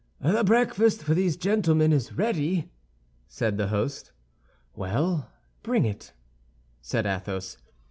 "The breakfast for these gentlemen is ready," said the host. "Well, bring it," said Athos.